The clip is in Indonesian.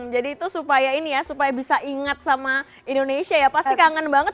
jadi itu supaya ini ya supaya bisa ingat sama indonesia ya pasti kangen banget